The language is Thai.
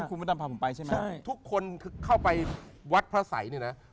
ที่พระพุทธศรีหิงไปใช่ไหมใช่ทุกคนเข้าไปวัดพระสัยนี่นะ